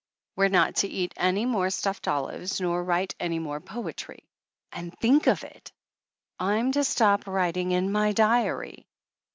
We're not to eat any more stuffed olives nor write any more poetry and, think of it! I'm to stop writing in my diary!